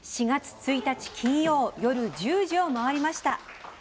４月１日、金曜夜１０時を回りました。